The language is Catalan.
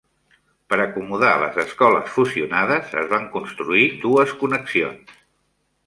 Per acomodar les escoles fusionades es van construir dues connexions.